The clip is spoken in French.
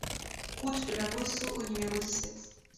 Route de la Vauceau au numéro dix-sept